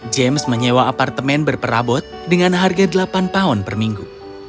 james menyewa apartemen berperabot dengan harga delapan pound per minggu